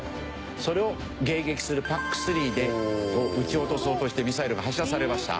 それを迎撃するＰＡＣ３で撃ち落とそうとしてミサイルが発射されました。